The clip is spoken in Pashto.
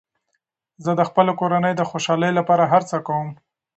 زه د خپلې کورنۍ د خوشحالۍ لپاره هر څه کوم.